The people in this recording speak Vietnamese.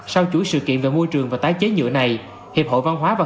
sau chuỗi sự kiện về môi trường và tái chế nhựa này hiệp hội văn hóa và